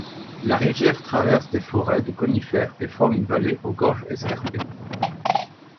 La rivière traverse des forêts de conifères et forme une vallée aux gorges escarpées.